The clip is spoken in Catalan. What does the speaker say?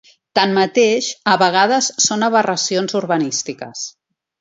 Tanmateix, a vegades són aberracions urbanístiques.